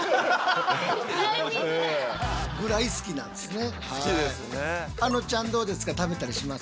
ぐらい好きなんですね。